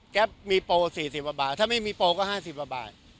แก๊บมีโปรสี่สิบบาทถ้าไม่มีโปรก็ห้าสิบบาท